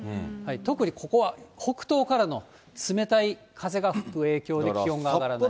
特にここは、北東からの冷たい風が吹く影響で、気温が上がらない。